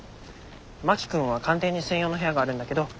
真木君は官邸に専用の部屋があるんだけど